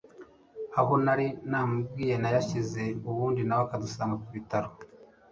aho nari mubwiye nayashyize ubundi nawe akadusanga ku bitaro